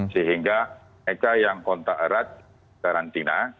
sehingga mereka yang kontak erat karantina